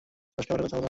স্পষ্ট করে কথা বলুন।